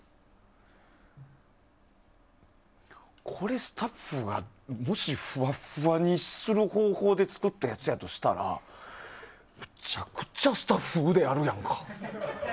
これ、スタッフがもし、ふわっふわにする方法で作ったやつやとしたらめちゃくちゃスタッフ、腕あるやんか。